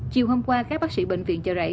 chiều hôm qua các bác sĩ bệnh viện chờ rảy